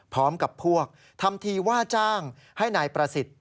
พร้อมกับพวกทำทีว่าจ้างให้นายประสิทธิ์